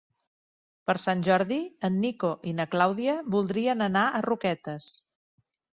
Per Sant Jordi en Nico i na Clàudia voldrien anar a Roquetes.